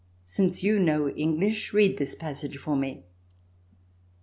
Since you know English, read this passage for me."